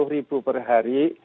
rp tiga puluh per hari